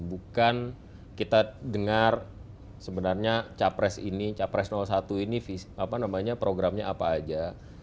bukan kita dengar sebenarnya capres ini capres satu ini programnya apa aja